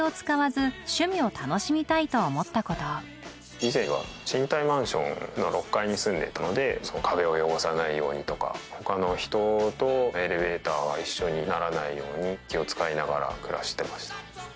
以前は賃貸マンションの６階に住んでいたので壁を汚さないようにとか他の人とエレベーターは一緒にならないように気を使いながら暮らしてました。